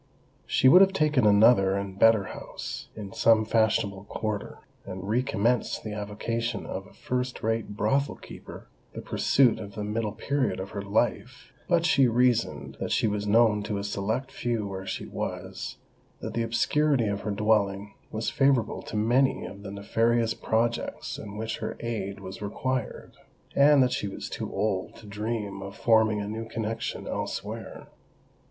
She would have taken another and better house, in some fashionable quarter, and re commenced the avocation of a first rate brothel keeper—the pursuit of the middle period of her life;—but she reasoned that she was known to a select few where she was—that the obscurity of her dwelling was favourable to many of the nefarious projects in which her aid was required—and that she was too old to dream of forming a new connexion elsewhere.